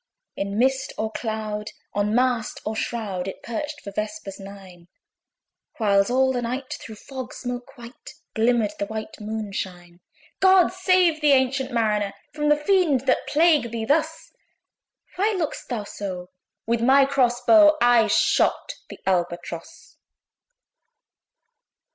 In mist or cloud, on mast or shroud, It perched for vespers nine; Whiles all the night, through fog smoke white, Glimmered the white Moon shine. "God save thee, ancient Mariner! From the fiends, that plague thee thus! Why look'st thou so?" With my cross bow I shot the ALBATROSS.